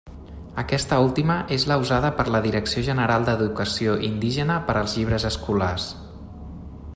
Aquesta última és la usada per la Direcció general d'Educació Indígena per als llibres escolars.